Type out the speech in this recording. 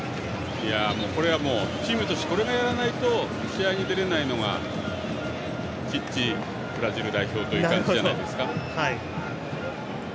これはチームとしてこれくらいやらないと試合に出れないのがチッチブラジル代表という感じじゃないですか。